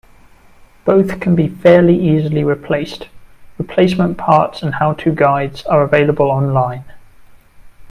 Both can be fairly easily replaced; replacement parts and how-to guides are available online.